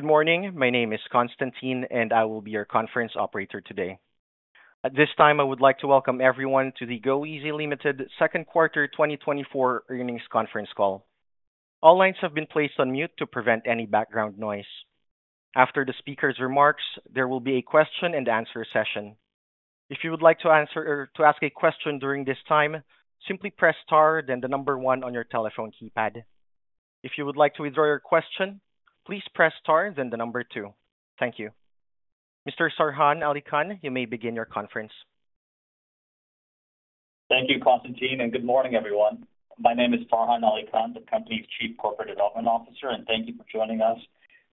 Good morning. My name is Constantine, and I will be your conference operator today. At this time, I would like to welcome everyone to the goeasy Limited Second Quarter 2024 Earnings conference Call. All lines have been placed on mute to prevent any background noise. After the speaker's remarks, there will be a question-and-answer session. If you would like to ask a question during this time, simply press star then the number one on your telephone keypad. If you would like to withdraw your question, please press star then the number two. Thank you. Mr. Farhan Ali Khan, you may begin your conference. Thank you, Constantine, and good morning, everyone. My name is Farhan Ali Khan, the company's Chief Corporate Development Officer, and thank you for joining us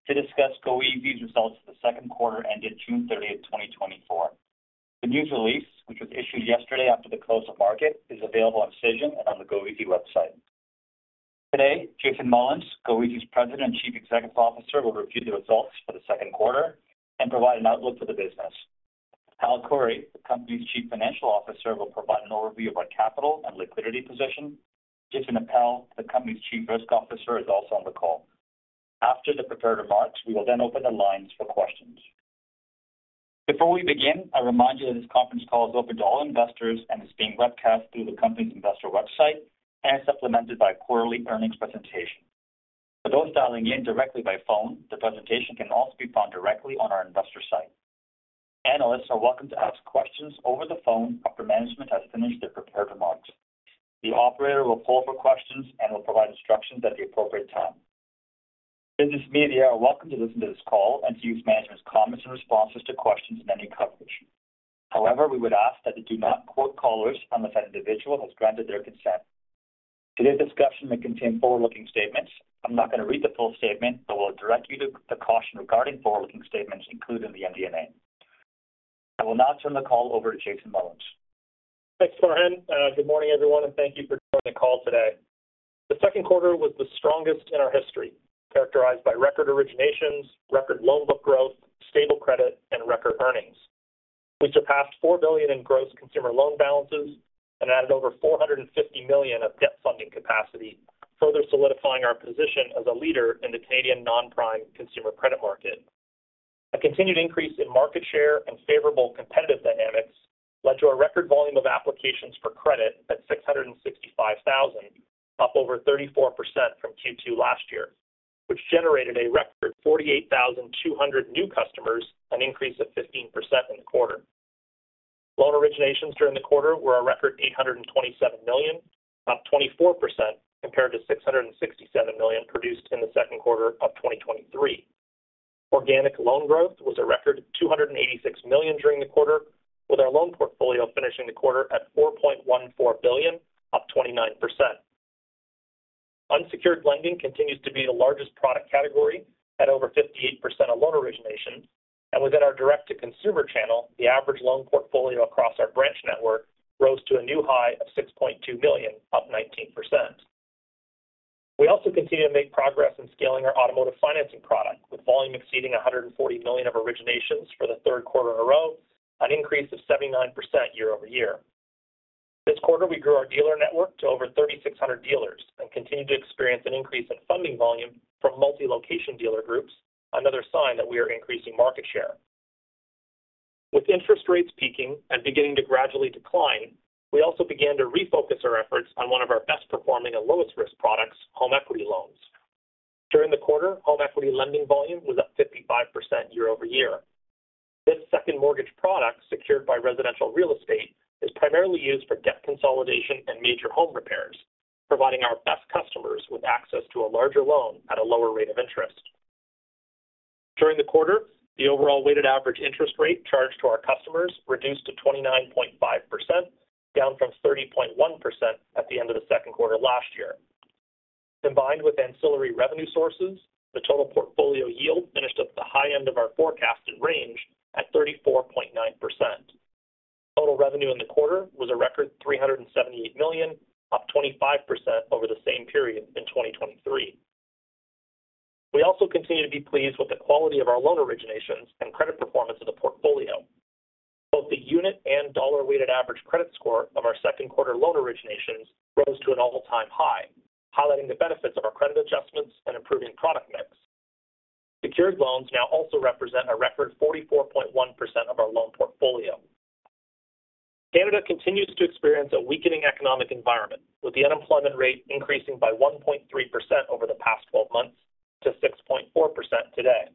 to discuss goeasy's results for the second quarter ended June thirtieth, 2024. The news release, which was issued yesterday after the close of market, is available on Cision and on the goeasy website. Today, Jason Mullins, goeasy's President and Chief Executive Officer, will review the results for the second quarter and provide an outlook for the business. Hal Khouri, the company's Chief Financial Officer, will provide an overview of our capital and liquidity position. Jason Appel, the company's Chief Risk Officer, is also on the call. After the prepared remarks, we will then open the lines for questions. Before we begin, I remind you that this conference call is open to all investors and is being webcast through the company's investor website and supplemented by quarterly earnings presentation. For those dialing in directly by phone, the presentation can also be found directly on our investor site. Analysts are welcome to ask questions over the phone after management has finished their prepared remarks. The operator will poll for questions and will provide instructions at the appropriate time. Business media are welcome to listen to this call and to use management's comments and responses to questions in any coverage. However, we would ask that they do not quote callers unless that individual has granted their consent. Today's discussion may contain forward-looking statements. I'm not going to read the full statement, but will direct you to the caution regarding forward-looking statements included in the MD&A. I will now turn the call over to Jason Mullins. Thanks, Farhan. Good morning, everyone, and thank you for joining the call today. The second quarter was the strongest in our history, characterized by record originations, record loan book growth, stable credit, and record earnings. We surpassed 4 billion in gross consumer loan balances and added over 450 million of debt funding capacity, further solidifying our position as a leader in the Canadian non-prime consumer credit market. A continued increase in market share and favorable competitive dynamics led to a record volume of applications for credit at 665,000, up over 34% from Q2 last year, which generated a record 48,200 new customers, an increase of 15% in the quarter. Loan originations during the quarter were a record 827 million, up 24% compared to 667 million produced in the second quarter of 2023. Organic loan growth was a record 286 million during the quarter, with our loan portfolio finishing the quarter at 4.14 billion, up 29%. Unsecured lending continues to be the largest product category at over 58% of loan originations, and within our direct-to-consumer channel, the average loan portfolio across our branch network rose to a new high of 6.2 billion, up 19%. We also continue to make progress in scaling our automotive financing product, with volume exceeding 140 million of originations for the third quarter in a row, an increase of 79% year-over-year. This quarter, we grew our dealer network to over 3,600 dealers and continued to experience an increase in funding volume from multi-location dealer groups, another sign that we are increasing market share. With interest rates peaking and beginning to gradually decline, we also began to refocus our efforts on one of our best-performing and lowest-risk products, home equity loans. During the quarter, home equity lending volume was up 55% year-over-year. This second mortgage product, secured by residential real estate, is primarily used for debt consolidation and major home repairs, providing our best customers with access to a larger loan at a lower rate of interest. During the quarter, the overall weighted average interest rate charged to our customers reduced to 29.5%, down from 30.1% at the end of the second quarter last year. Combined with ancillary revenue sources, the total portfolio yield finished at the high end of our forecasted range at 34.9%. Total revenue in the quarter was a record 378 million, up 25% over the same period in 2023. We also continue to be pleased with the quality of our loan originations and credit performance of the portfolio. Both the unit and dollar-weighted average credit score of our second quarter loan originations rose to an all-time high, highlighting the benefits of our credit adjustments and improving product mix. Secured loans now also represent a record 44.1% of our loan portfolio. Canada continues to experience a weakening economic environment, with the unemployment rate increasing by 1.3% over the past 12 months to 6.4% today.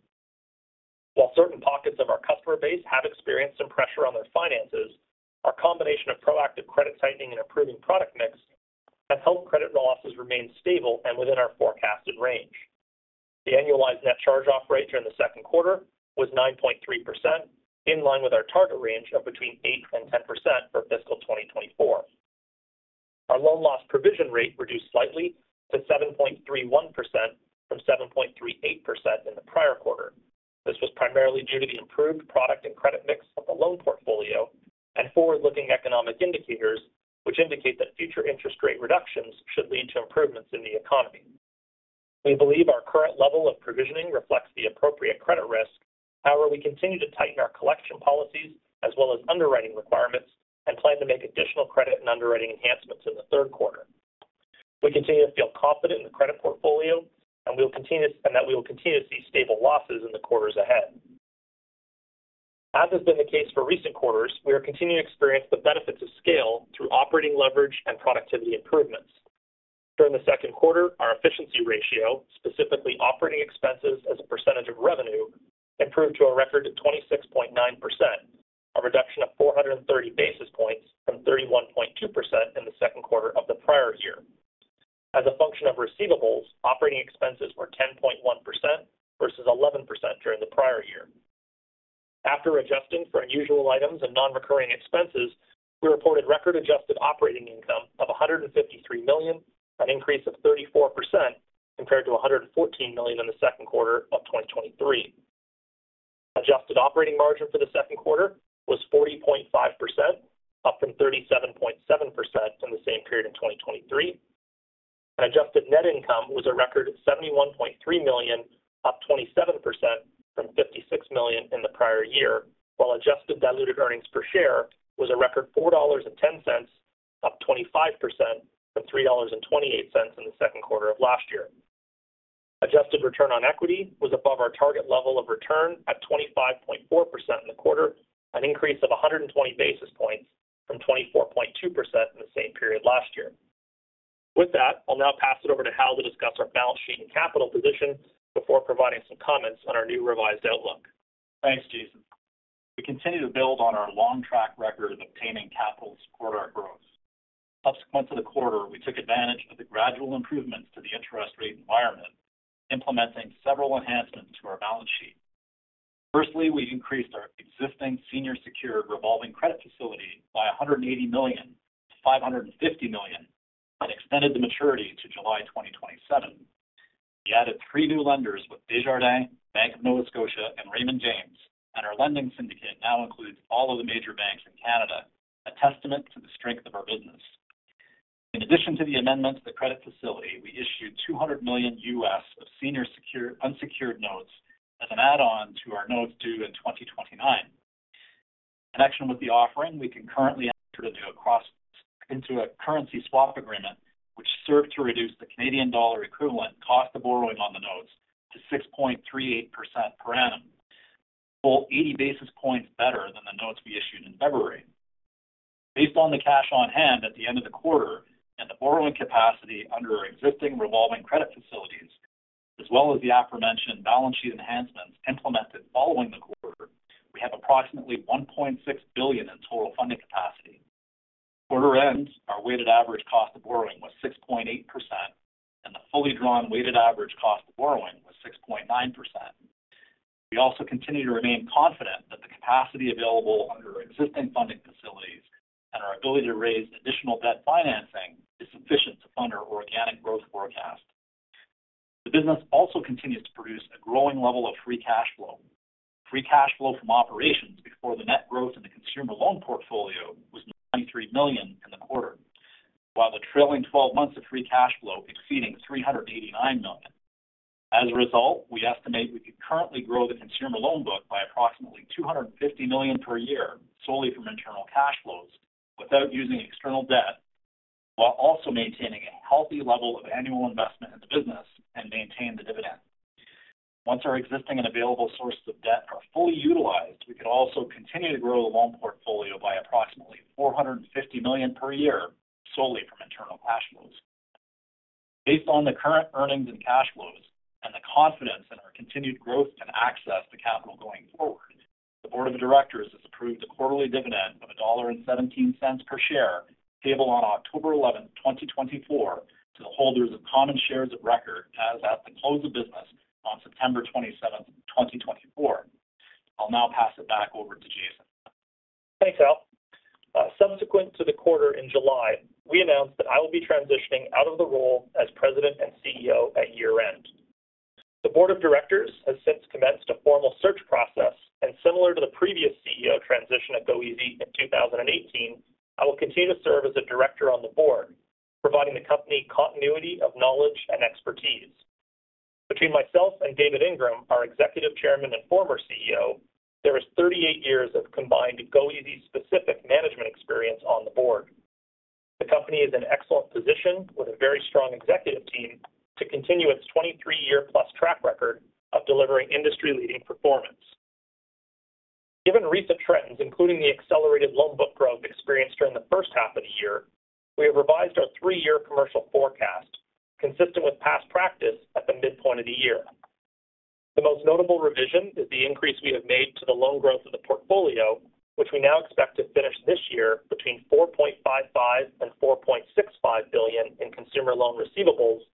While certain pockets of our customer base have experienced some pressure on their finances, our combination of proactive credit tightening and improving product mix has helped credit losses remain stable and within our forecasted range. The annualized net charge-off rate during the second quarter was 9.3%, in line with our target range of between 8% and 10% for fiscal 2024. Our loan loss provision rate reduced slightly to 7.31% from 7.38% in the prior quarter. This was primarily due to the improved product and credit mix of the loan portfolio and forward-looking economic indicators, which indicate that future interest rate reductions should lead to improvements in the economy. We believe our current level of provisioning reflects the appropriate credit risk. However, we continue to tighten our collection policies as well as underwriting requirements and plan to make additional credit and underwriting enhancements in the third quarter.... We continue to feel confident in the credit portfolio, and we'll continue-- and that we will continue to see stable losses in the quarters ahead. As has been the case for recent quarters, we are continuing to experience the benefits of scale through operating leverage and productivity improvements. During the second quarter, our efficiency ratio, specifically operating expenses as a percentage of revenue, improved to a record 26.9%, a reduction of 430 basis points from 31.2% in the second quarter of the prior year. As a function of receivables, operating expenses were 10.1% versus 11% during the prior year. After adjusting for unusual items and non-recurring expenses, we reported record adjusted operating income of 153 million, an increase of 34% compared to 114 million in the second quarter of 2023. Adjusted operating margin for the second quarter was 40.5%, up from 37.7% in the same period in 2023, and adjusted net income was a record 71.3 million, up 27% from 56 million in the prior year, while adjusted diluted earnings per share was a record 4.10 dollars, up 25% from 3.28 dollars in the second quarter of last year. Adjusted return on equity was above our target level of return at 25.4% in the quarter, an increase of 100 basis points from 24.2% in the same period last year. With that, I'll now pass it over to Hal to discuss our balance sheet and capital position before providing some comments on our new revised outlook. Thanks, Jason. We continue to build on our long track record of obtaining capital to support our growth. Subsequent to the quarter, we took advantage of the gradual improvements to the interest rate environment, implementing several enhancements to our balance sheet. Firstly, we increased our existing senior secured revolving credit facility by 180 million to 550 million, and extended the maturity to July 2027. We added 3 new lenders with Desjardins, Bank of Nova Scotia, and Raymond James, and our lending syndicate now includes all of the major banks in Canada, a testament to the strength of our business. In addition to the amendment to the credit facility, we issued $200 million of senior unsecured notes as an add-on to our notes due in 2029. In connection with the offering, we concurrently entered into a currency swap agreement, which served to reduce the Canadian dollar equivalent cost of borrowing on the notes to 6.38% per annum, or 80 basis points better than the notes we issued in February. Based on the cash on hand at the end of the quarter and the borrowing capacity under our existing revolving credit facilities, as well as the aforementioned balance sheet enhancements implemented following the quarter, we have approximately 1.6 billion in total funding capacity. At quarter end, our weighted average cost of borrowing was 6.8%, and the fully drawn weighted average cost of borrowing was 6.9%. We also continue to remain confident that the capacity available under our existing funding facilities and our ability to raise additional debt financing is sufficient to fund our organic growth forecast. The business also continues to produce a growing level of free cash flow. Free cash flow from operations before the net growth in the consumer loan portfolio was CAD 93 million in the quarter, while the trailing twelve months of free cash flow exceeding 389 million. As a result, we estimate we could currently grow the consumer loan book by approximately 250 million per year, solely from internal cash flows, without using external debt, while also maintaining a healthy level of annual investment in the business and maintain the dividend. Once our existing and available sources of debt are fully utilized, we could also continue to grow the loan portfolio by approximately 450 million per year, solely from internal cash flows. Based on the current earnings and cash flows and the confidence in our continued growth and access to capital going forward, the board of directors has approved a quarterly dividend of 1.17 dollar per share, payable on October 11, 2024, to the holders of common shares of record as at the close of business on September 27, 2024. I'll now pass it back over to Jason. Thanks, Hal. Subsequent to the quarter in July, we announced that I will be transitioning out of the role as President and CEO at year-end. The board of directors has since commenced a formal search process, and similar to the previous CEO transition at goeasy in 2018, I will continue to serve as a director on the board, providing the company continuity of knowledge and expertise. Between myself and David Ingram, our Executive Chairman and former CEO, there is 38 years of combined goeasy-specific management experience on the board. The company is in excellent position, with a very strong executive team, to continue its 23-year+ track record of delivering industry-leading performance. Given recent trends, including the accelerated loan book growth experienced during the first half of the year, we have revised our 3-year commercial forecast, consistent with past practice at the midpoint of the year. The most notable revision is the increase we have made to the loan growth of the portfolio, which we now expect to finish this year between 4.55 billion and 4.65 billion in consumer loan receivables,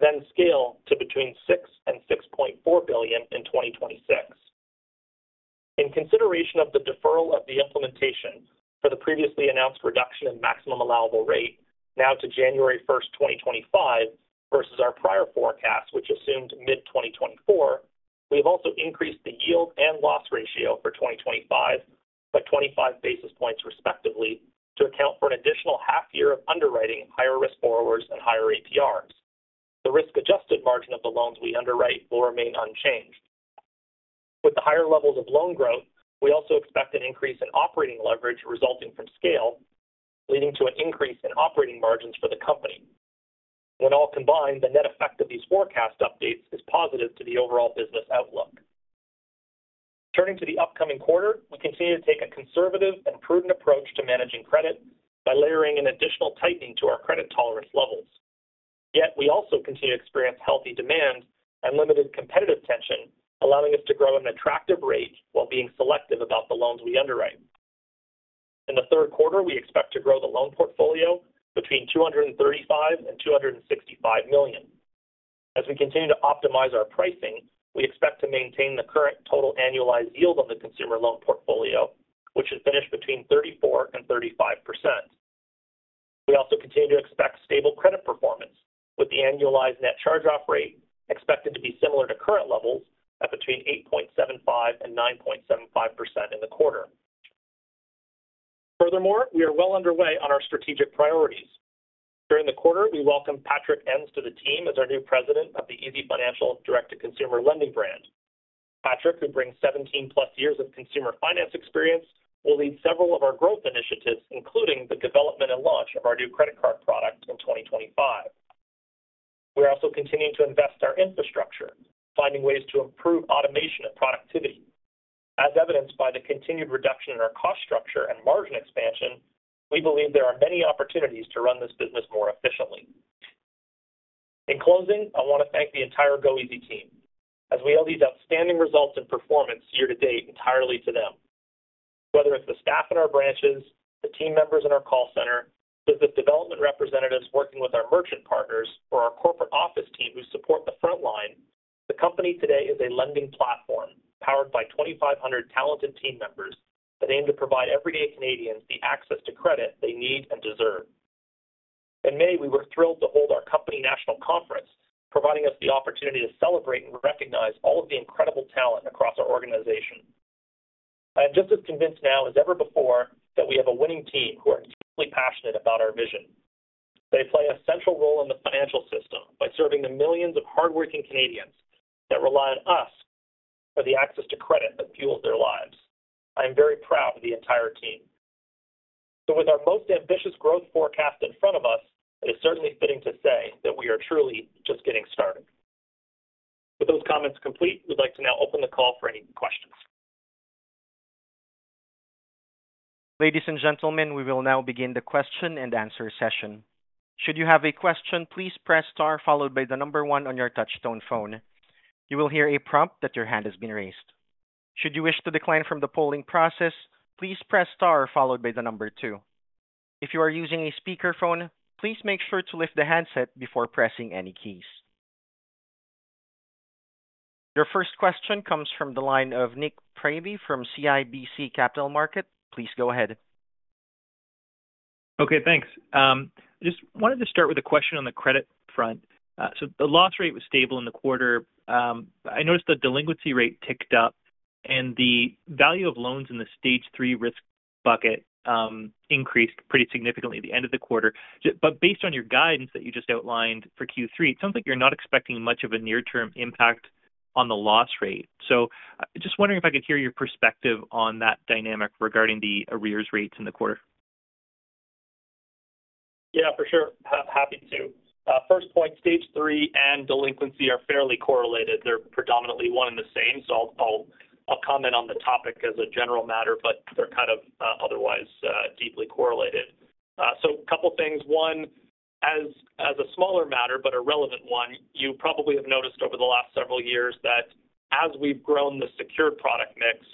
then scale to between 6 billion and 6.4 billion in 2026. In consideration of the deferral of the implementation for the previously announced reduction in maximum allowable rate, now to January 1, 2025, versus our prior forecast, which assumed mid-2024, we have also increased the yield and loss ratio for 2025 by 25 basis points respectively, to account for an additional half year of underwriting higher risk borrowers and higher APRs. The risk-adjusted margin of the loans we underwrite will remain unchanged. With the higher levels of loan growth, we also expect an increase in operating leverage resulting from scale, leading to an increase in operating margins for the company. When all combined, the net effect of these forecast updates is positive to the overall business outlook. Turning to the upcoming quarter, we continue to take a conservative and prudent approach to managing credit by layering an additional tightening to our credit tolerance levels. Yet, we also continue to experience healthy demand and limited competitive tension, allowing us to grow at an attractive rate while being selective about the loans we underwrite. In the third quarter, we expect to grow the loan portfolio between 235 million and 265 million. As we continue to optimize our pricing, we expect to maintain the current total annualized yield on the consumer loan portfolio, which has finished between 34%-35%. We also continue to expect stable credit performance, with the annualized net charge-off rate expected to be similar to current levels at between 8.75% and 9.75% in the quarter. Furthermore, we are well underway on our strategic priorities. During the quarter, we welcomed Patrick Ens to the team as our new president of the easyfinancial direct-to-consumer lending brand. Patrick, who brings 17+ years of consumer finance experience, will lead several of our growth initiatives, including the development and launch of our new credit card product in 2025. We're also continuing to invest our infrastructure, finding ways to improve automation and productivity. As evidenced by the continued reduction in our cost structure and margin expansion, we believe there are many opportunities to run this business more efficiently. In closing, I want to thank the entire goeasy team, as we owe these outstanding results and performance year to date entirely to them. Whether it's the staff in our branches, the team members in our call center, business development representatives working with our merchant partners, or our corporate office team who support the front line, the company today is a lending platform powered by 2,500 talented team members that aim to provide everyday Canadians the access to credit they need and deserve. In May, we were thrilled to hold our company national conference, providing us the opportunity to celebrate and recognize all of the incredible talent across our organization. I am just as convinced now as ever before, that we have a winning team who are deeply passionate about our vision. They play a central role in the financial system by serving the millions of hardworking Canadians that rely on us for the access to credit that fuels their lives. I am very proud of the entire team. With our most ambitious growth forecast in front of us, it is certainly fitting to say that we are truly just getting started. With those comments complete, we'd like to now open the call for any questions. Ladies and gentlemen, we will now begin the question-and-answer session. Should you have a question, please press star followed by the number one on your touchtone phone. You will hear a prompt that your hand has been raised. Should you wish to decline from the polling process, please press star followed by the number two. If you are using a speakerphone, please make sure to lift the handset before pressing any keys. Your first question comes from the line of Nik Priebe from CIBC Capital Markets. Please go ahead. Okay, thanks. Just wanted to start with a question on the credit front. So the loss rate was stable in the quarter. I noticed the delinquency rate ticked up and the value of loans in the Stage 3 risk bucket increased pretty significantly at the end of the quarter. But based on your guidance that you just outlined for Q3, it sounds like you're not expecting much of a near-term impact on the loss rate. So just wondering if I could hear your perspective on that dynamic regarding the arrears rates in the quarter. Yeah, for sure. Happy to. First point, Stage 3 and delinquency are fairly correlated. They're predominantly one and the same. So I'll comment on the topic as a general matter, but they're kind of otherwise deeply correlated. So a couple of things. One, as a smaller matter, but a relevant one, you probably have noticed over the last several years that as we've grown the secured product mix,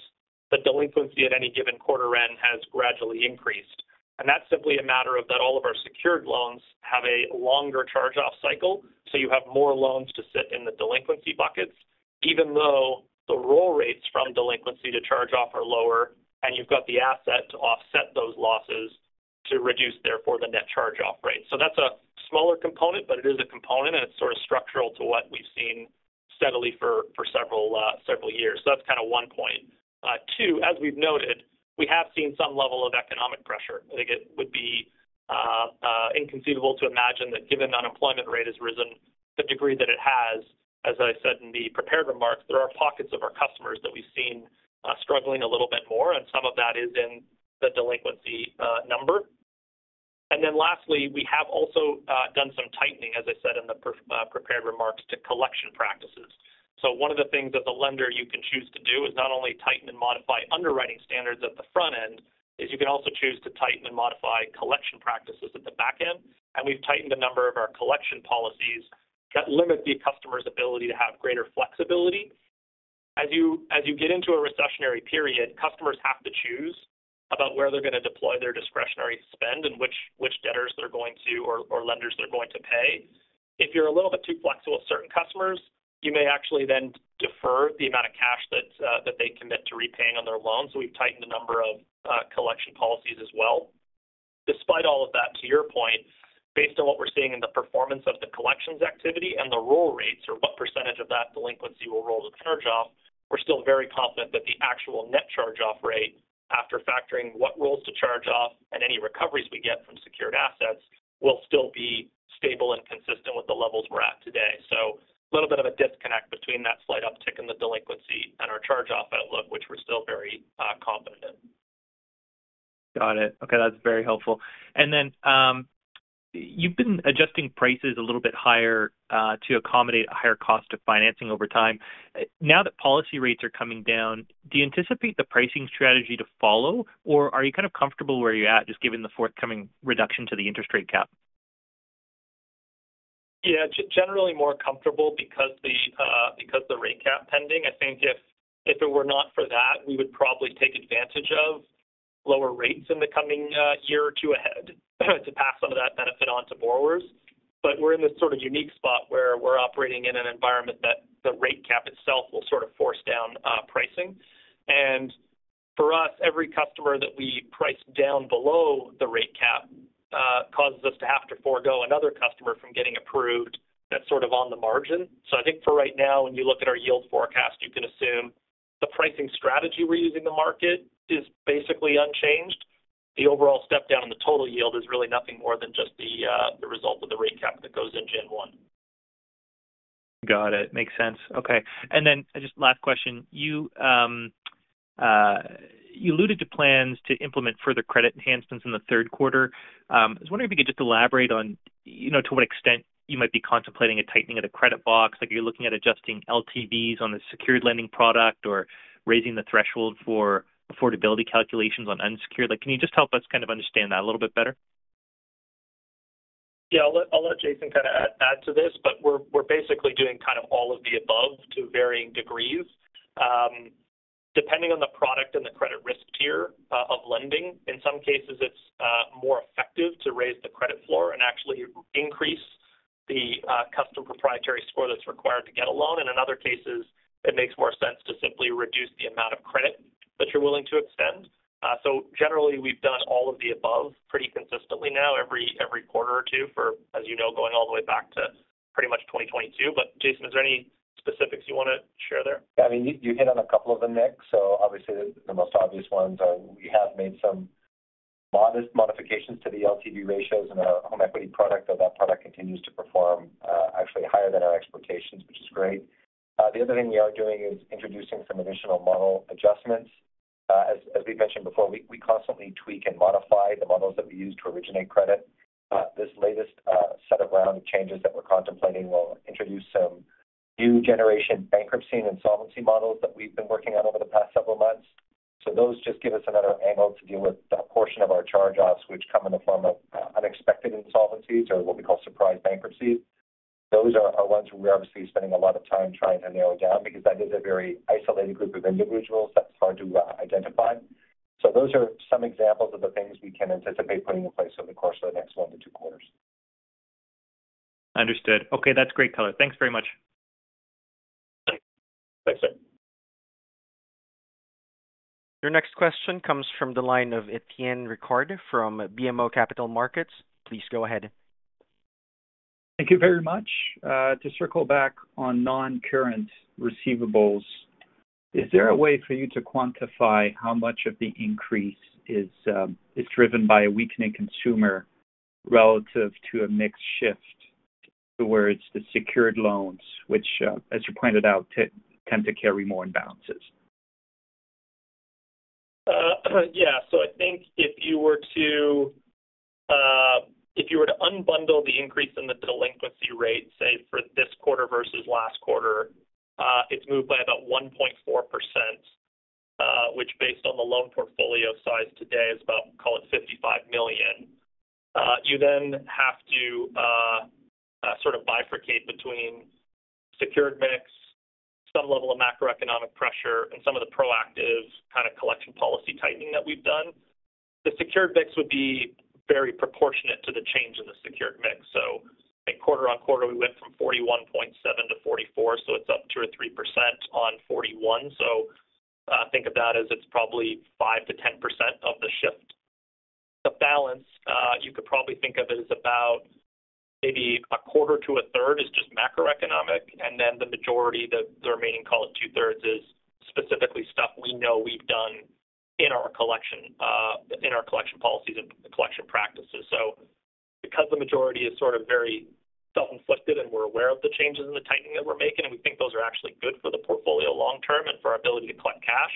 the delinquency at any given quarter end has gradually increased. And that's simply a matter of that all of our secured loans have a longer charge-off cycle, so you have more loans to sit in the delinquency buckets, even though the roll rates from delinquency to charge-off are lower, and you've got the asset to offset those losses to reduce, therefore, the net charge-off rate. So that's a smaller component, but it is a component, and it's sort of structural to what we've seen steadily for several years. So that's kind of one point. Two, as we've noted, we have seen some level of economic pressure. I think it would be inconceivable to imagine that given the unemployment rate has risen the degree that it has, as I said in the prepared remarks, there are pockets of our customers that we've seen struggling a little bit more, and some of that is in the delinquency number. And then lastly, we have also done some tightening, as I said in the prepared remarks, to collection practices. So one of the things as a lender you can choose to do is not only tighten and modify underwriting standards at the front end, is you can also choose to tighten and modify collection practices at the back end. And we've tightened a number of our collection policies that limit the customer's ability to have greater flexibility. As you get into a recessionary period, customers have to choose about where they're going to deploy their discretionary spend and which debtors they're going to or lenders they're going to pay. If you're a little bit too flexible with certain customers, you may actually then defer the amount of cash that they commit to repaying on their loans. So we've tightened a number of collection policies as well. Despite all of that, to your point, based on what we're seeing in the performance of the collections activity and the roll rates, or what percentage of that delinquency will roll to charge-off, we're still very confident that the actual net charge-off rate, after factoring what rolls to charge-off and any recoveries we get from secured assets, will still be stable and consistent with the levels we're at today. So a little bit of a disconnect between that slight uptick in the delinquency and our charge-off outlook, which we're still very confident in. Got it. Okay, that's very helpful. And then, you've been adjusting prices a little bit higher, to accommodate a higher cost of financing over time. Now that policy rates are coming down, do you anticipate the pricing strategy to follow, or are you kind of comfortable where you're at, just given the forthcoming reduction to the interest rate cap? Yeah, generally more comfortable because the rate cap pending. I think if it were not for that, we would probably take advantage of lower rates in the coming year or two ahead, to pass some of that benefit on to borrowers. But we're in this sort of unique spot where we're operating in an environment that the rate cap itself will sort of force down pricing. And for us, every customer that we price down below the rate cap causes us to have to forego another customer from getting approved. That's sort of on the margin. So I think for right now, when you look at our yield forecast, you can assume the pricing strategy we're using the market is basically unchanged. The overall step down in the total yield is really nothing more than just the result of the rate cap that goes in January 1. Got it. Makes sense. Okay, and then just last question: You alluded to plans to implement further credit enhancements in the third quarter. I was wondering if you could just elaborate on, you know, to what extent you might be contemplating a tightening of the credit box. Like, are you looking at adjusting LTVs on the secured lending product or raising the threshold for affordability calculations on unsecured? Like, can you just help us kind of understand that a little bit better? Yeah, I'll let Jason kind of add to this, but we're basically doing kind of all of the above to varying degrees. Depending on the product and the credit risk tier of lending. In some cases it's more effective to raise the credit floor and actually increase the custom proprietary score that's required to get a loan. And in other cases, it makes more sense to simply reduce the amount of credit that you're willing to extend. So generally, we've done all of the above pretty consistently now, every quarter or two, as you know, going all the way back to pretty much 2022. But Jason, is there any specifics you want to share there? Yeah, I mean, you, you hit on a couple of them, Nick. So obviously, the most obvious ones are we have made some modest modifications to the LTV ratios in our home equity product, though that product continues to perform, actually higher than our expectations, which is great. The other thing we are doing is introducing some additional model adjustments. As we've mentioned before, we constantly tweak and modify the models that we use to originate credit. This latest set of round of changes that we're contemplating will introduce some new generation bankruptcy and insolvency models that we've been working on over the past several months. So those just give us another angle to deal with that portion of our charge-offs, which come in the form of unexpected insolvencies or what we call surprise bankruptcies. Those are ones we're obviously spending a lot of time trying to narrow down, because that is a very isolated group of individuals that's hard to identify. So those are some examples of the things we can anticipate putting in place over the course of the next 1 to 2 quarters. Understood. Okay, that's great color. Thanks very much. Thanks, sir. Your next question comes from the line of Étienne Ricard from BMO Capital Markets. Please go ahead. Thank you very much. To circle back on non-current receivables, is there a way for you to quantify how much of the increase is driven by a weakening consumer relative to a mix shift towards the secured loans, which, as you pointed out, tend to carry more imbalances? Yeah. So I think if you were to, if you were to unbundle the increase in the delinquency rate, say, for this quarter versus last quarter, it's moved by about 1.4%, which, based on the loan portfolio size today, is about, call it, 55 million. You then have to sort of bifurcate between secured mix, some level of macroeconomic pressure, and some of the proactive kind of collection policy tightening that we've done. The secured mix would be very proportionate to the change in the secured mix. So in quarter-over-quarter, we went from 41.7 to 44, so it's up 2%-3% on 41. So, think of that as it's probably 5%-10% of the shift. The balance, you could probably think of it as about maybe a quarter to a third is just macroeconomic, and then the majority, the remaining, call it two-thirds, is specifically stuff we know we've done in our collection, in our collection policies and collection practices. So because the majority is sort of very self-inflicted, and we're aware of the changes in the tightening that we're making, and we think those are actually good for the portfolio long term and for our ability to collect cash,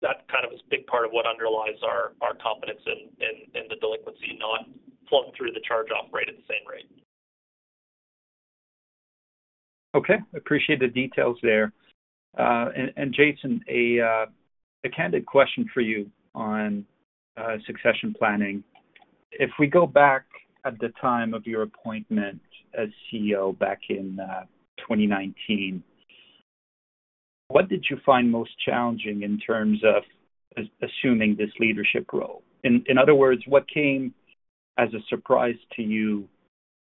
that kind of is a big part of what underlies our confidence in the delinquency not flowing through the charge-off rate at the same rate. Okay, appreciate the details there. And Jason, a candid question for you on succession planning. If we go back at the time of your appointment as CEO back in 2019, what did you find most challenging in terms of assuming this leadership role? In other words, what came as a surprise to you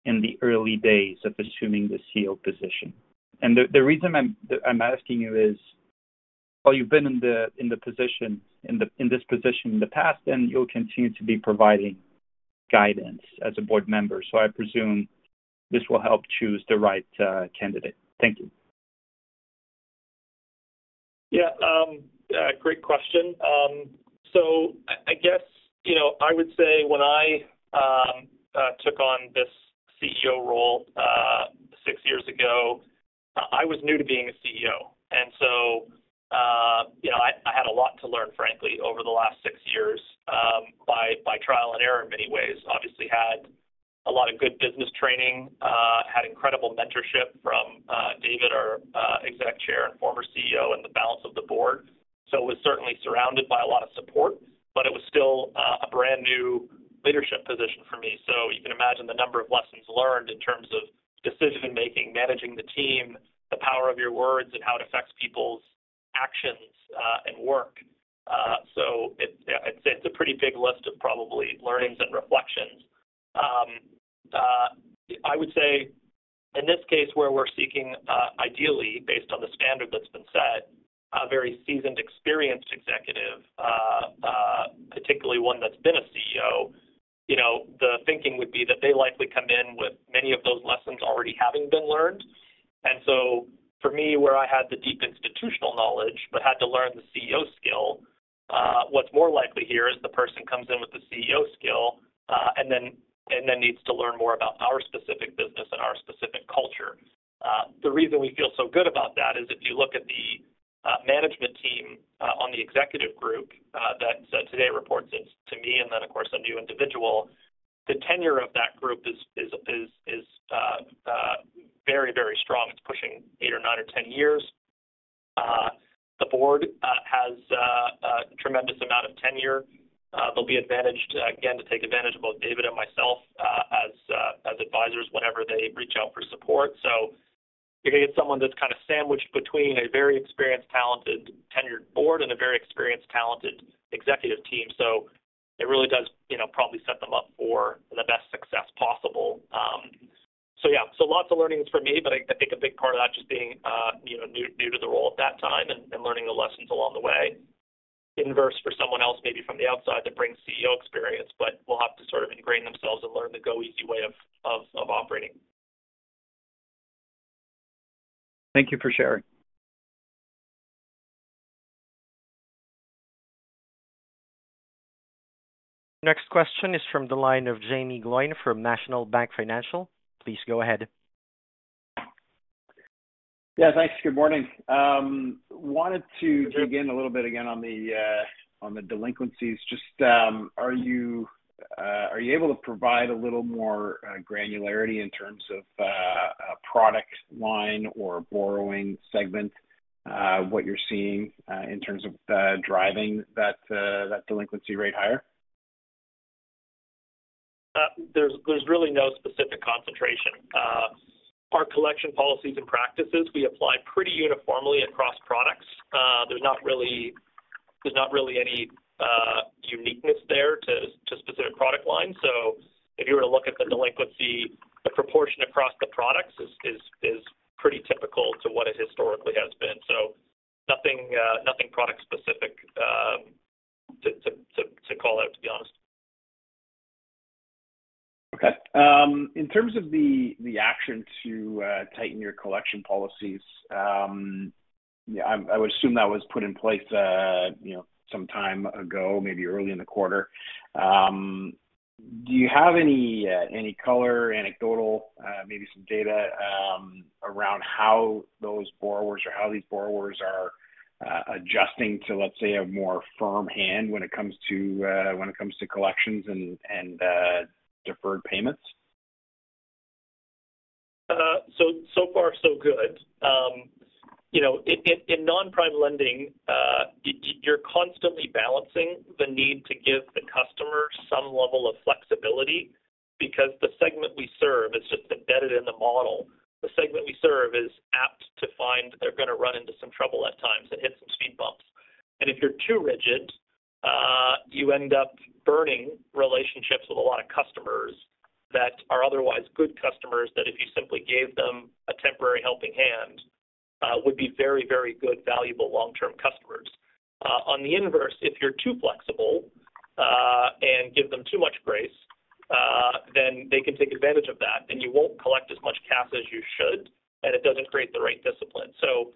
in the early days of assuming the CEO position? And the reason I'm asking you is, while you've been in the position—in this position in the past, and you'll continue to be providing guidance as a board member, so I presume this will help choose the right candidate. Thank you.... Yeah, great question. So I guess, you know, I would say when I took on this CEO role, six years ago, I was new to being a CEO. And so, you know, I had a lot to learn, frankly, over the last six years, by trial and error in many ways. Obviously had a lot of good business training, had incredible mentorship from David, our exec chair and former CEO, and the balance of the board. So was certainly surrounded by a lot of support, but it was still a brand new leadership position for me. So you can imagine the number of lessons learned in terms of decision making, managing the team, the power of your words, and how it affects people's actions, and work. So I'd say it's a pretty big list of probably learnings and reflections. I would say in this case, where we're seeking, ideally, based on the standard that's been set, a very seasoned, experienced executive, particularly one that's been a CEO, you know, the thinking would be that they likely come in with many of those lessons already having been learned. And so for me, where I had the deep institutional knowledge but had to learn the CEO skill, and then needs to learn more about our specific business and our specific culture. The reason we feel so good about that is if you look at the management team on the executive group that today reports it to me and then, of course, a new individual, the tenure of that group is very, very strong. It's pushing 8 or 9 or 10 years. The board has a tremendous amount of tenure. They'll be advantaged, again, to take advantage of both David and myself as advisors whenever they reach out for support. So you're going to get someone that's kind of sandwiched between a very experienced, talented, tenured board and a very experienced, talented executive team. So it really does, you know, probably set them up for the best success possible. So yeah, so lots of learnings for me, but I think a big part of that just being, you know, new to the role at that time and learning the lessons along the way. Inverse for someone else, maybe from the outside, that brings CEO experience, but will have to sort of ingrain themselves and learn the goeasy way of operating. Thank you for sharing. Next question is from the line of Jaeme Gloyn from National Bank Financial. Please go ahead. Yeah, thanks. Good morning. Wanted to dig in a little bit again on the delinquencies. Just, are you able to provide a little more granularity in terms of a product line or borrowing segment, what you're seeing in terms of driving that delinquency rate higher? There's really no specific concentration. Our collection policies and practices, we apply pretty uniformly across products. There's not really any uniqueness there to specific product lines. So if you were to look at the delinquency, the proportion across the products is pretty typical to what it historically has been. So nothing product specific to call out, to be honest. Okay. In terms of the action to tighten your collection policies, I would assume that was put in place, you know, some time ago, maybe early in the quarter. Do you have any color, anecdotal, maybe some data around how those borrowers or how these borrowers are adjusting to, let's say, a more firm hand when it comes to collections and deferred payments? So far so good. You know, in non-prime lending, you're constantly balancing the need to give the customer some level of flexibility because the segment we serve is just embedded in the model. The segment we serve is apt to find they're gonna run into some trouble at times and hit some speed bumps. And if you're too rigid, you end up burning relationships with a lot of customers that are otherwise good customers, that if you simply gave them a temporary helping hand, would be very, very good, valuable long-term customers. On the inverse, if you're too flexible and give them too much grace, then they can take advantage of that, and you won't collect as much cash as you should, and it doesn't create the right discipline. So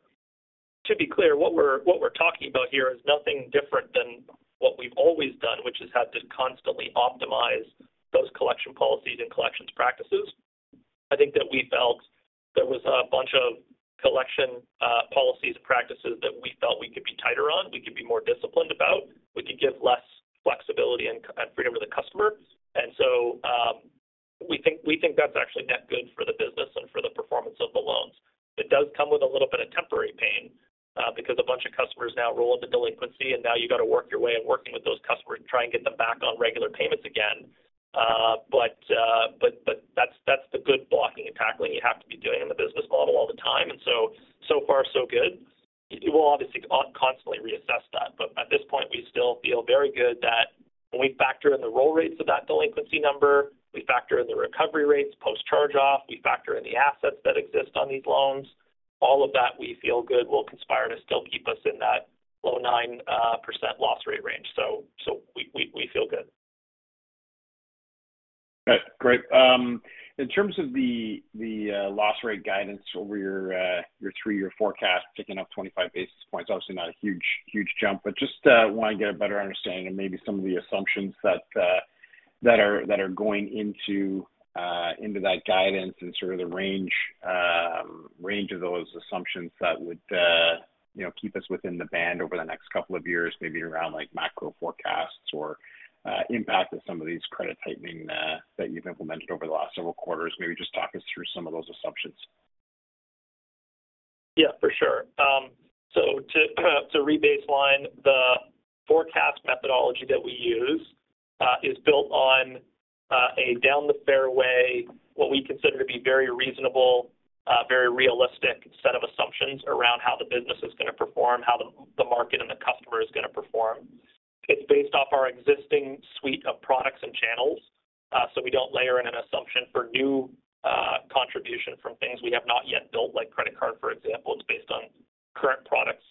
to be clear, what we're, what we're talking about here is nothing different than what we've always done, which is have to constantly optimize those collection policies and collections practices. I think that we felt there was a bunch of collection policies and practices that we felt we could be tighter on, we could be more disciplined about. We could give less flexibility and, and freedom to the customer. And so, we think, we think that's actually net good for the business and for the performance of the loans. It does come with a little bit of temporary pain, because a bunch of customers now roll into delinquency, and now you got to work your way in working with those customers to try and get them back on regular payments again. But that's the good blocking and tackling you have to be doing in the business model all the time. And so far so good. We will obviously constantly reassess that, but at this point, we still feel very good that when we factor in the roll rates of that delinquency number, we factor in the recovery rates, post-charge off, we factor in the assets that exist on these loans, all of that we feel good will conspire to still keep us in that low 9% loss rate range. So we feel good. ... Great. In terms of the loss rate guidance over your three-year forecast, ticking up 25 basis points, obviously not a huge, huge jump, but just want to get a better understanding and maybe some of the assumptions that are going into that guidance and sort of the range of those assumptions that would, you know, keep us within the band over the next couple of years, maybe around like macro forecasts or impact of some of these credit tightening that you've implemented over the last several quarters. Maybe just talk us through some of those assumptions. Yeah, for sure. So to rebaseline, the forecast methodology that we use is built on a down the fairway, what we consider to be very reasonable, very realistic set of assumptions around how the business is going to perform, how the market and the customer is going to perform. It's based off our existing suite of products and channels. So we don't layer in an assumption for new contribution from things we have not yet built, like credit card, for example. It's based on current products.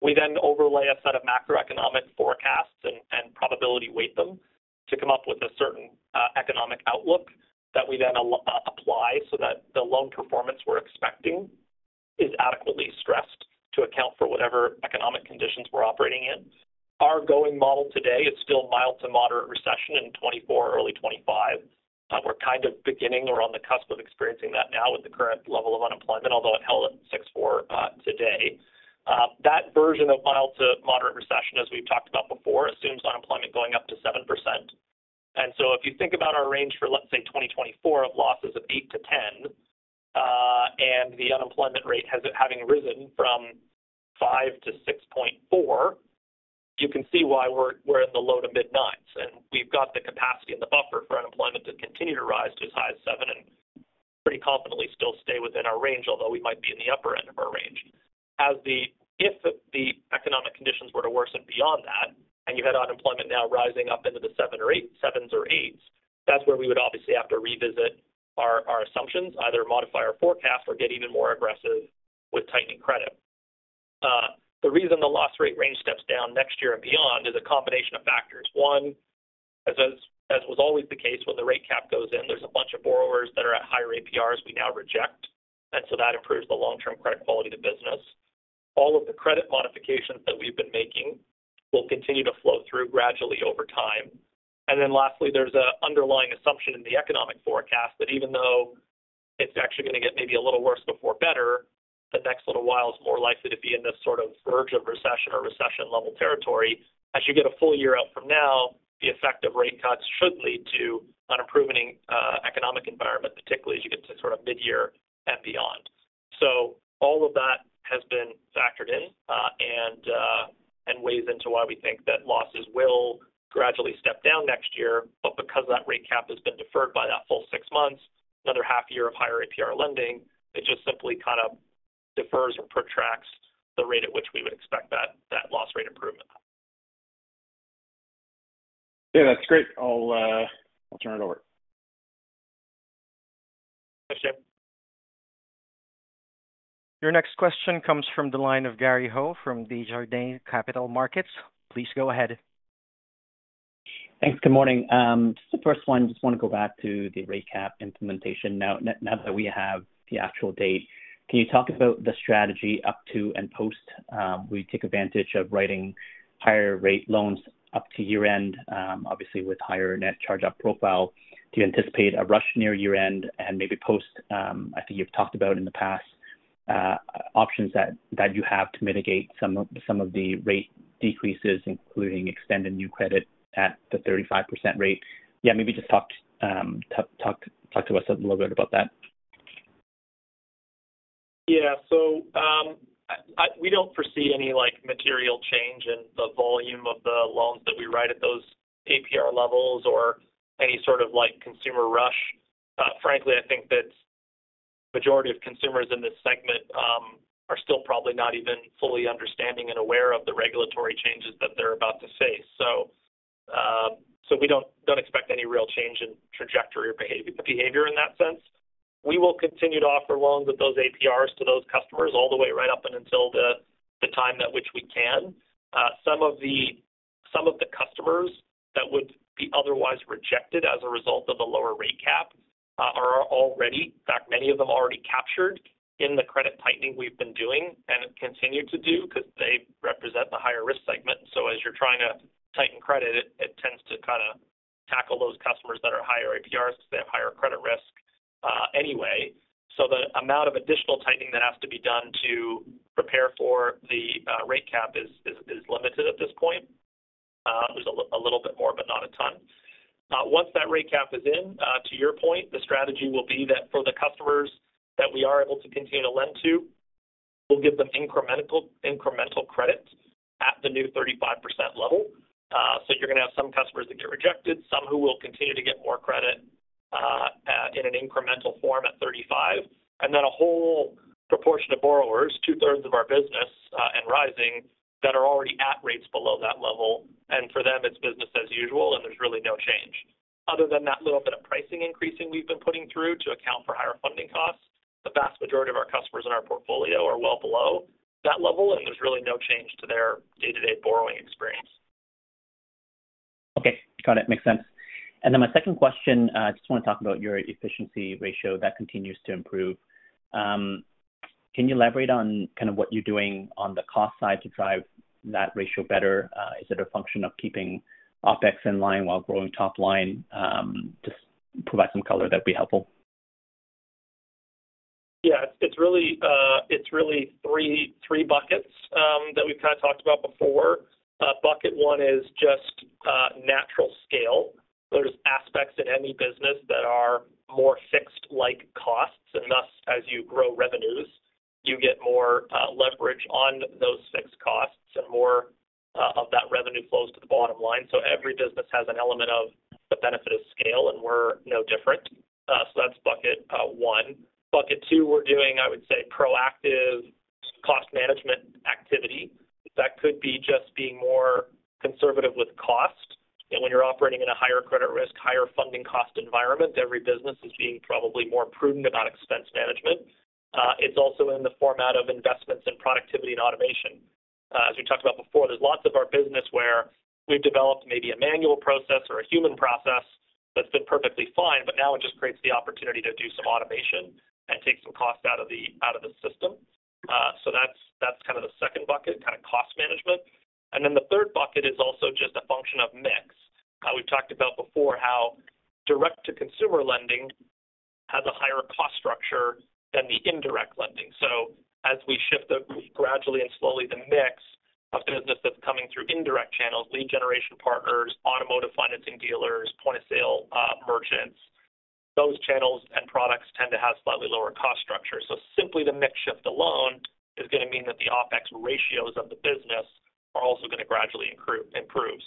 We then overlay a set of macroeconomic forecasts and probability weight them to come up with a certain economic outlook that we then apply so that the loan performance we're expecting is adequately stressed to account for whatever economic conditions we're operating in. Our going model today is still mild to moderate recession in 2024, early 2025. We're kind of beginning or on the cusp of experiencing that now with the current level of unemployment, although it held at 6.4%, today. That version of mild to moderate recession, as we've talked about before, assumes unemployment going up to 7%. And so if you think about our range for, let's say, 2024 of losses of 8%-10%, and the unemployment rate having risen from 5% to 6.4%, you can see why we're in the low to mid-nines, and we've got the capacity and the buffer for unemployment to continue to rise to as high as 7 and pretty confidently still stay within our range, although we might be in the upper end of our range. As if the economic conditions were to worsen beyond that, and you had unemployment now rising up into the 7 or 8 - 7s or 8s, that's where we would obviously have to revisit our, our assumptions, either modify our forecast or get even more aggressive with tightening credit. The reason the loss rate range steps down next year and beyond is a combination of factors. One, as was always the case, when the rate cap goes in, there's a bunch of borrowers that are at higher APRs we now reject, and so that improves the long-term credit quality of the business. All of the credit modifications that we've been making will continue to flow through gradually over time. And then lastly, there's an underlying assumption in the economic forecast that even though it's actually going to get maybe a little worse before better, the next little while is more likely to be in this sort of verge of recession or recession-level territory. As you get a full year out from now, the effect of rate cuts should lead to an improving economic environment, particularly as you get to sort of midyear and beyond. So all of that has been factored in, and weighs into why we think that losses will gradually step down next year. But because that rate cap has been deferred by that full six months, another half year of higher APR lending, it just simply kind of defers or protracts the rate at which we would expect that loss rate improvement. Yeah, that's great. I'll, I'll turn it over. Thanks, Jaeme. Your next question comes from the line of Gary Ho from Desjardins Capital Markets. Please go ahead. Thanks. Good morning. Just the first one, just want to go back to the rate cap implementation. Now that we have the actual date, can you talk about the strategy up to and post? We take advantage of writing higher rate loans up to year-end, obviously, with higher net charge-off profile. Do you anticipate a rush near year-end and maybe post? I think you've talked about in the past options that you have to mitigate some of the rate decreases, including extending new credit at the 35% rate? Yeah, maybe just talk to us a little bit about that. Yeah. So, we don't foresee any, like, material change in the volume of the loans that we write at those APR levels or any sort of, like, consumer rush. Frankly, I think that majority of consumers in this segment are still probably not even fully understanding and aware of the regulatory changes that they're about to face. So, so we don't expect any real change in trajectory or behavior in that sense. We will continue to offer loans at those APRs to those customers all the way right up and until the time at which we can. Some of the customers that would be otherwise rejected as a result of a lower rate cap are already... In fact, many of them already captured in the credit tightening we've been doing and have continued to do because they represent the higher-risk segment. So as you're trying to tighten credit, it tends to kind of tackle those customers that are higher APRs because they have higher credit risk, anyway. So the amount of additional tightening that has to be done to prepare for the rate cap is limited at this point. There's a little bit more, but not a ton. Once that rate cap is in, to your point, the strategy will be that for the customers that we are able to continue to lend to, we'll give them incremental credit at the new 35% level. So you're going to have some customers that get rejected, some who will continue to get more credit, in an incremental form at 35, and then a whole proportion of borrowers, two-thirds of our business, and rising, that are already at rates below that level. And for them, it's business as usual, and there's really no change, other than that little bit of pricing increasing we've been putting through to account for higher funding costs. The vast majority of our customers in our portfolio are well below that level, and there's really no change to their day-to-day borrowing experience. Okay, got it. Makes sense. And then my second question, I just want to talk about your efficiency ratio that continues to improve. Can you elaborate on kind of what you're doing on the cost side to drive that ratio better? Is it a function of keeping OpEx in line while growing top line? Just provide some color, that'd be helpful. Yeah, it's really, it's really three, three buckets, that we've kind of talked about before. Bucket one is just, natural scale. There's aspects in any business that are more fixed, like costs, and thus, as you grow revenues, you get more, leverage on those fixed costs, and more, of that revenue flows to the bottom line. So every business has an element of the benefit of scale, and we're no different. So that's bucket, one. Bucket two, we're doing, I would say, proactive cost management activity. That could be just being more conservative with cost. And when you're operating in a higher credit risk, higher funding cost environment, every business is being probably more prudent about expense management. It's also in the format of investments in productivity and automation. As we talked about before, there's lots of our business where we've developed maybe a manual process or a human process that's been perfectly fine, but now it just creates the opportunity to do some automation and take some cost out of the system. So that's kind of the second bucket, kind of cost management. And then the third bucket is also just a function of mix. We've talked about before how direct-to-consumer lending has a higher cost structure than the indirect lending. So as we shift gradually and slowly the mix of business that's coming through indirect channels, lead generation partners, automotive financing dealers, point-of-sale merchants, those channels and products tend to have slightly lower cost structure. So simply the mix shift alone is gonna mean that the OpEx ratios of the business are also gonna gradually improve.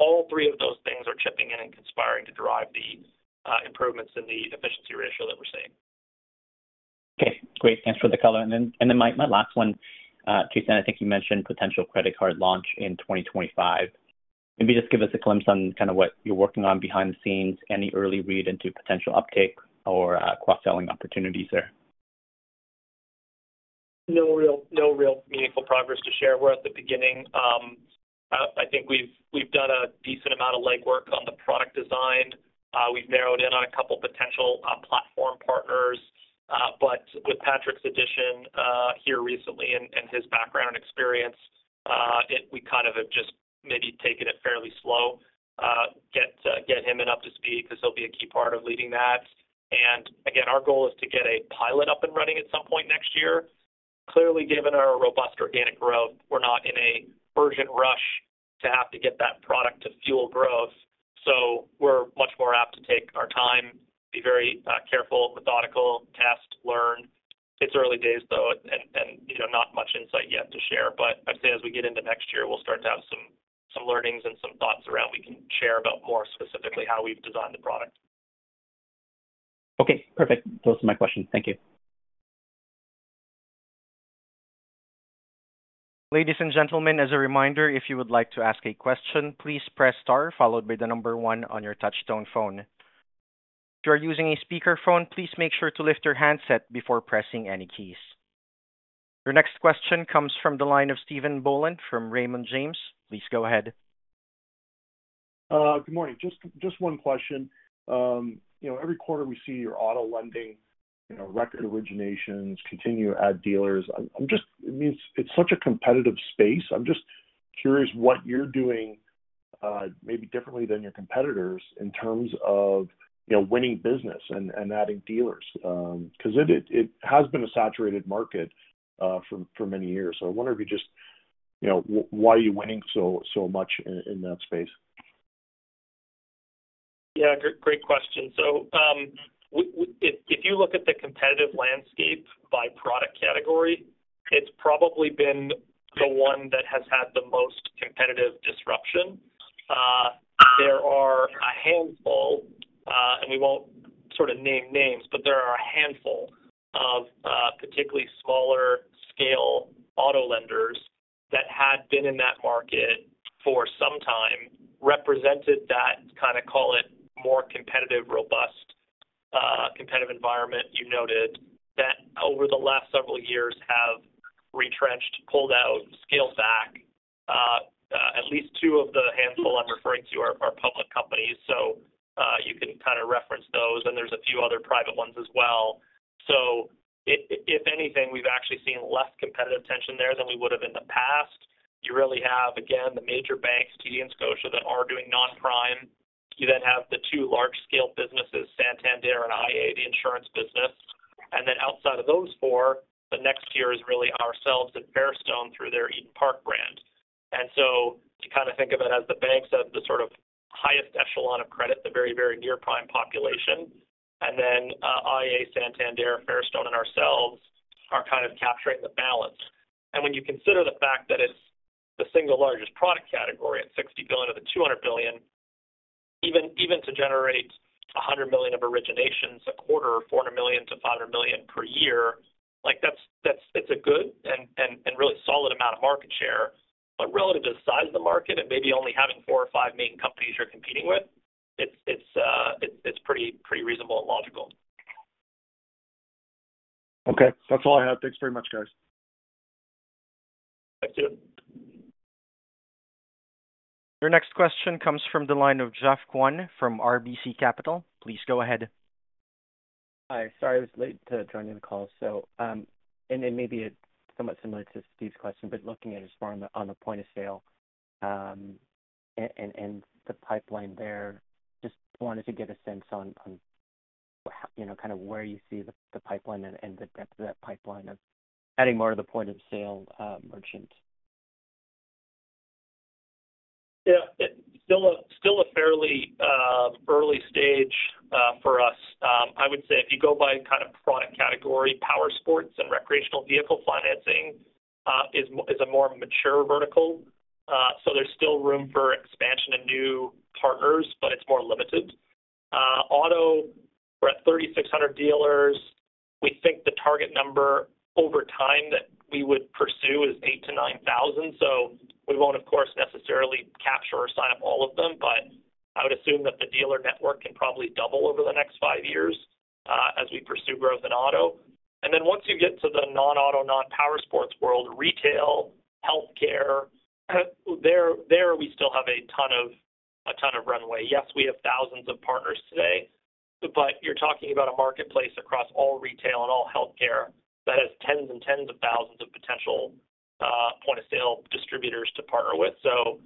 All three of those things are chipping in and conspiring to drive the improvements in the efficiency ratio that we're seeing. Okay, great. Thanks for the color. And then my last one. Jason, I think you mentioned potential credit card launch in 2025. Maybe just give us a glimpse on kind of what you're working on behind the scenes. Any early read into potential uptake or cross-selling opportunities there? No real meaningful progress to share. We're at the beginning. I think we've done a decent amount of legwork on the product design. We've narrowed in on a couple potential platform partners, but with Patrick's addition here recently and his background experience, we kind of have just maybe taken it fairly slow, get him up to speed, because he'll be a key part of leading that. Again, our goal is to get a pilot up and running at some point next year. Clearly, given our robust organic growth, we're not in a urgent rush to have to get that product to fuel growth. So we're much more apt to take our time, be very careful, methodical, test, learn. It's early days, though, and you know, not much insight yet to share, but I'd say as we get into next year, we'll start to have some learnings and some thoughts around we can share about more specifically how we've designed the product. Okay, perfect. Those are my questions. Thank you. Ladies and gentlemen, as a reminder, if you would like to ask a question, please press star followed by the number one on your touchtone phone. If you are using a speakerphone, please make sure to lift your handset before pressing any keys. Your next question comes from the line of Stephen Boland from Raymond James. Please go ahead. Good morning. Just one question. You know, every quarter we see your auto lending, you know, record originations continue to add dealers. I'm just—I mean, it's such a competitive space. I'm just curious what you're doing, maybe differently than your competitors in terms of, you know, winning business and adding dealers, because it has been a saturated market for many years. So I wonder if you just, you know, why are you winning so much in that space? Yeah, great question. So, if, if you look at the competitive landscape by product category, it's probably been the one that has had the most competitive disruption. There are a handful, and we won't sort of name names, but there are a handful of, particularly smaller scale auto lenders that had been in that market for some time, represented that, kind of call it more competitive, robust, competitive environment you noted, that over the last several years have retrenched, pulled out, scaled back. At least two of the handful I'm referring to are, are public companies, so, you can kind of reference those, and there's a few other private ones as well. So if anything, we've actually seen less competitive tension there than we would have in the past. You really have, again, the major banks, TD and Scotia, that are doing non-prime. You then have the two large-scale businesses, Santander and iA, the insurance business. And then outside of those four, the next tier is really ourselves and Fairstone through their Eden Park brand. And so to kind of think of it as the banks have the sort of highest echelon of credit, the very, very near-prime population, and then, iA, Santander, Fairstone, and ourselves are kind of capturing the balance. And when you consider the fact that it's the single largest product category at 60 billion of the 200 billion, even, even to generate 100 million of originations a quarter, 400 million-500 million per year, like that's, that's, it's a good and really solid amount of market share. But relative to the size of the market and maybe only having four or five main companies you're competing with, it's, it's, it's pretty, pretty reasonable and logical. Okay, that's all I have. Thanks very much, guys. Thanks, Steve. Your next question comes from the line of Geoff Kwan from RBC Capital. Please go ahead. Hi. Sorry, I was late to joining the call. So, and it may be somewhat similar to Steve's question, but looking at as far on the point of sale, and the pipeline there, just wanted to get a sense on, on, you know, kind of where you see the, the pipeline and the depth of that pipeline of adding more to the point-of-sale, merchant. Yeah, it's still a fairly early stage for us. I would say if you go by kind of product category, powersports and recreational vehicle financing is a more mature vertical. So there's still room for expansion and new partners, but it's more limited. Auto, we're at 3,600 dealers. We think the target number over time that we would pursue is 8,000-9,000. So we won't, of course, necessarily capture or sign up all of them, but I would assume that the dealer network can probably double over the next 5 years as we pursue growth in auto. And then once you get to the non-auto, non-powersports world, retail, healthcare, there we still have a ton of runway. Yes, we have thousands of partners today, but you're talking about a marketplace across all retail and all healthcare that has tens and tens of thousands of potential, point-of-sale distributors to partner with. So,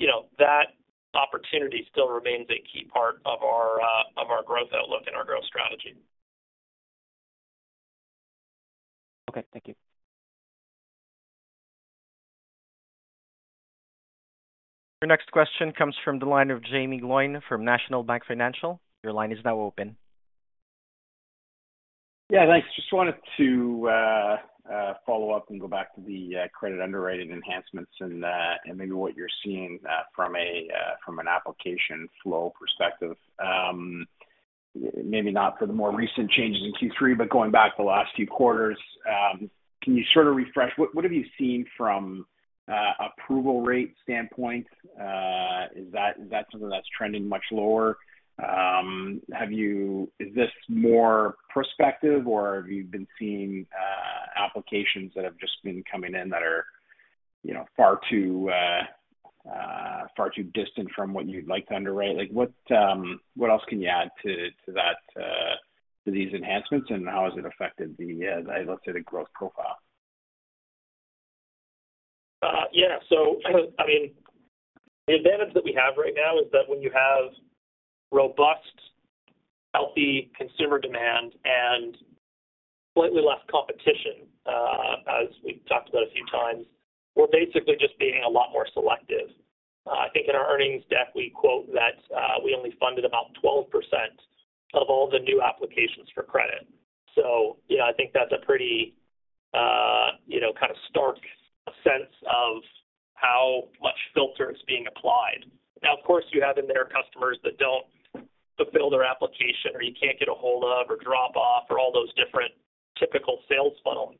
you know, that opportunity still remains a key part of our, of our growth outlook and our growth strategy. Okay, thank you. Your next question comes from the line of Jaeme Gloyn from National Bank Financial. Your line is now open. Yeah, thanks. Just wanted to follow up and go back to the credit underwriting enhancements and maybe what you're seeing from an application flow perspective. Maybe not for the more recent changes in Q3, but going back the last few quarters, can you sort of refresh what have you seen from approval rate standpoint? Is that something that's trending much lower? Is this more prospective, or have you been seeing applications that have just been coming in that are, you know, far too distant from what you'd like to underwrite? Like, what else can you add to that, to these enhancements, and how has it affected the, let's say, the growth profile? Yeah. So, I mean, the advantage that we have right now is that when you have robust, healthy consumer demand and slightly less competition, as we've talked about a few times, we're basically just being a lot more selective. I think in our earnings deck, we quote that, we only funded about 12% of all the new applications for credit. So yeah, I think that's a pretty, you know, kind of stark sense of how much filter is being applied. Now, of course, you have in there customers that don't fulfill their application, or you can't get a hold of or drop off or all those different typical sales funnel,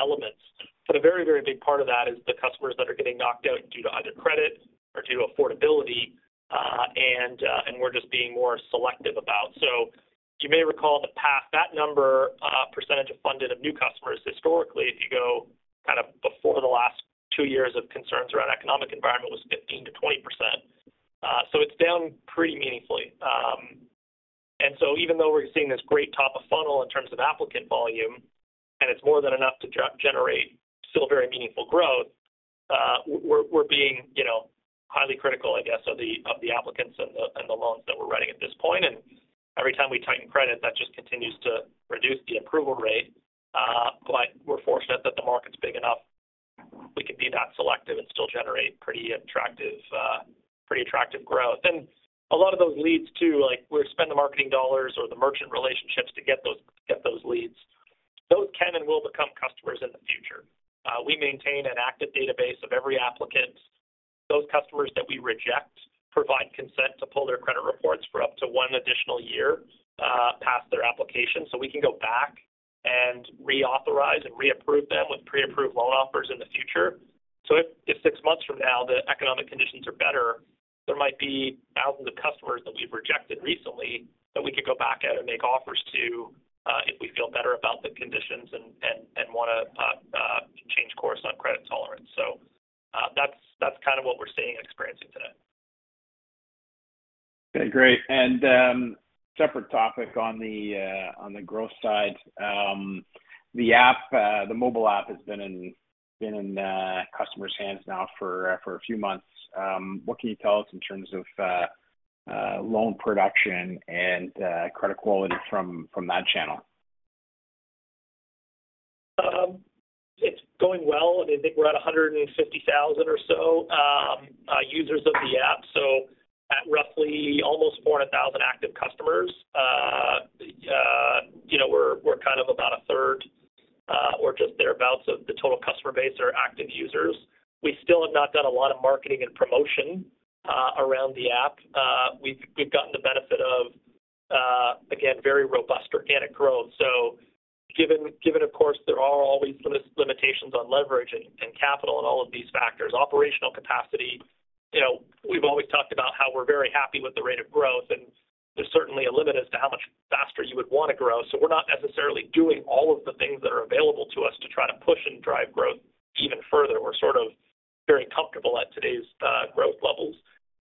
elements. But a very, very big part of that is the customers that are getting knocked out due to either credit or due to affordability, and we're just being more selective about. So you may recall in the past, that number, percentage of funded of new customers historically, if you go kind of before the last two years of concerns around economic environment, was 15%-20%. So it's down pretty meaningfully. And so even though we're seeing this great top of funnel in terms of applicant volume, and it's more than enough to generate still very meaningful growth, we're being, you know, highly critical, I guess, of the applicants and the loans that we're writing at this point. And every time we tighten credit, that just continues to reduce the approval rate. But we're fortunate that the market's big enough. We can be that selective and still generate pretty attractive, pretty attractive growth. And a lot of those leads, too, like we spend the marketing dollars or the merchant relationships to get those, get those leads. Those can and will become customers in the future. We maintain an active database of every applicant. Those customers that we reject provide consent to pull their credit reports for up to one additional year, past their application. So we can go back and reauthorize and reapprove them with pre-approved loan offers in the future. So if six months from now, the economic conditions are better, there might be thousands of customers that we've rejected recently that we could go back at and make offers to, if we feel better about the conditions and wanna change course on credit tolerance. So that's kind of what we're seeing and experiencing today. Okay, great. And, separate topic on the growth side. The mobile app has been in customers' hands now for a few months. What can you tell us in terms of loan production and credit quality from that channel? It's going well. I think we're at 150,000 or so users of the app. So at roughly almost 400,000 active customers, you know, we're kind of about a third or just thereabouts of the total customer base are active users. We still have not done a lot of marketing and promotion around the app. We've gotten the benefit of. Again, very robust organic growth. So given, of course, there are always limitations on leverage and capital and all of these factors. Operational capacity, you know, we've always talked about how we're very happy with the rate of growth, and there's certainly a limit as to how much faster you would want to grow. So we're not necessarily doing all of the things that are available to us to try to push and drive growth even further. We're sort of very comfortable at today's growth levels.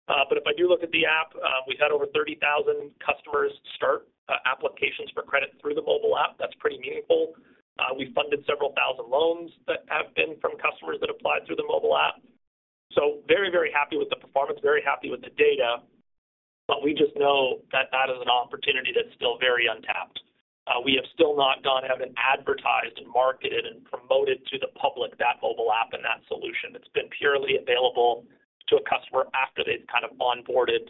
But if I do look at the app, we've had over 30,000 customers start applications for credit through the mobile app. That's pretty meaningful. We've funded several thousand loans that have been from customers that applied through the mobile app. So very, very happy with the performance, very happy with the data, but we just know that that is an opportunity that's still very untapped. We have still not gone out and advertised and marketed and promoted to the public, that mobile app and that solution. It's been purely available to a customer after they've kind of onboarded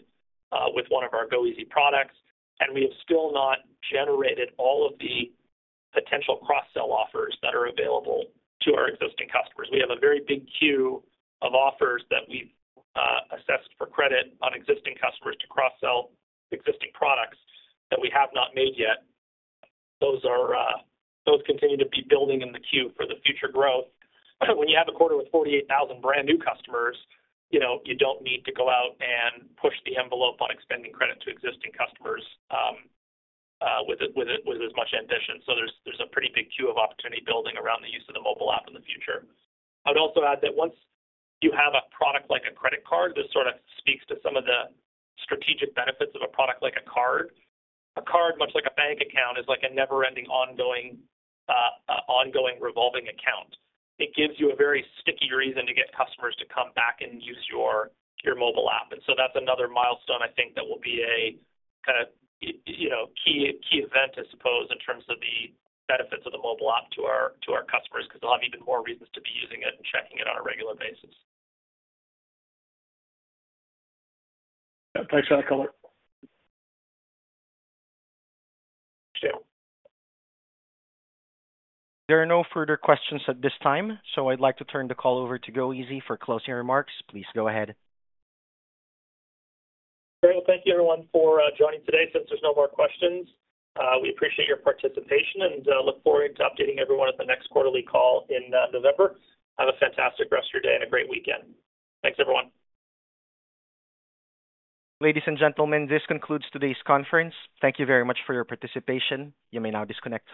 with one of our goeasy products, and we have still not generated all of the potential cross-sell offers that are available to our existing customers. We have a very big queue of offers that we've assessed for credit on existing customers to cross-sell existing products that we have not made yet. Those are those continue to be building in the queue for the future growth. When you have a quarter with 48,000 brand new customers, you know, you don't need to go out and push the envelope on extending credit to existing customers with as much ambition. So there's a pretty big queue of opportunity building around the use of the mobile app in the future. I would also add that once you have a product like a credit card, this sort of speaks to some of the strategic benefits of a product like a card. A card, much like a bank account, is like a never-ending, ongoing, ongoing revolving account. It gives you a very sticky reason to get customers to come back and use your, your mobile app. And so that's another milestone I think that will be a kind of, you know, key, key event, I suppose, in terms of the benefits of the mobile app to our, to our customers, because they'll have even more reasons to be using it and checking it on a regular basis. Thanks for that color. Thanks, Jaeme. There are no further questions at this time, so I'd like to turn the call over to goeasy for closing remarks. Please go ahead. Great. Well, thank you everyone for joining today. Since there's no more questions, we appreciate your participation and, look forward to updating everyone at the next quarterly call in, November. Have a fantastic rest of your day and a great weekend. Thanks, everyone. Ladies and gentlemen, this concludes today's conference. Thank you very much for your participation. You may now disconnect your-